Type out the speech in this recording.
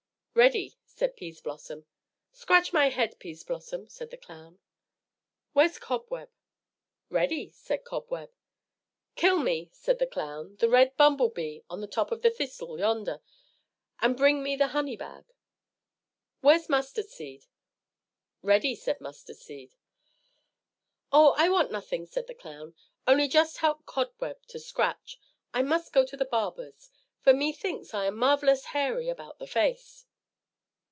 "Ready," said Peaseblossom. "Scratch my head, Peaseblossom," said the clown. "Where's Cobweb?" "Ready," said Cobweb. "Kill me," said the clown, "the red bumble bee on the top of the thistle yonder, and bring me the honey bag. Where's Mustardseed?" "Ready," said Mustardseed. "Oh, I want nothing," said the clown. "Only just help Cobweb to scratch. I must go to the barber's, for methinks I am marvelous hairy about the face."